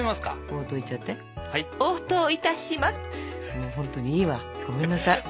もう本当にいいわごめんなさい。